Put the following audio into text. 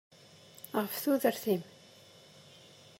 Ɣef tudert-im.